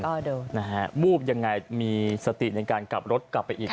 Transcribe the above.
ก็โดนนะฮะวูบยังไงมีสติการกลับรถับไปอีกค่ะ